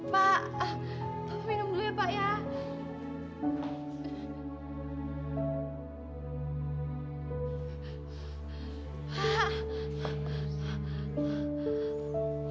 kau minum dulu ya pak